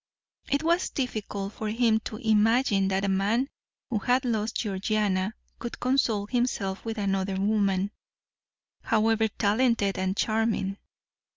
It was difficult for him to imagine that a man who had lost Georgiana could console himself with another woman, however talented and charming.